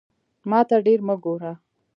ماته ډیر مه ګوره